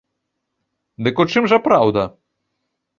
Дык у чым жа праўда?